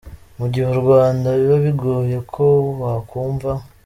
Mu gihe u Rwanda biba bigoye ko wakumva